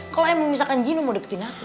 kalau emang misalkan jino mau deketin aku